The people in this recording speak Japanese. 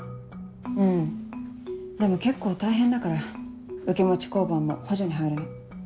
うんでも結構大変だから受け持ち交番も補助に入るの。